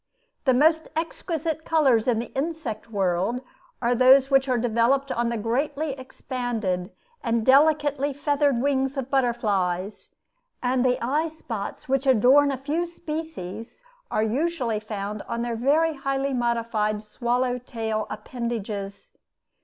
The most exquisite colors in the insect world are those which are developed on the greatly expanded and delicately feathered wings of butterflies; and the eye spots which adorn a few species are usually found on their very highly modified swallow tail appendages.